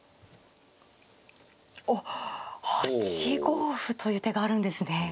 おっ８五歩という手があるんですね。